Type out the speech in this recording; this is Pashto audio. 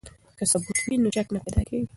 که ثبوت وي نو شک نه پیدا کیږي.